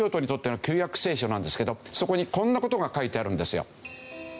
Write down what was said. そこにこんな事が書いてあるんですよ。